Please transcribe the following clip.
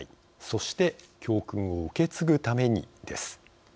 そして教訓を受け継ぐためにです。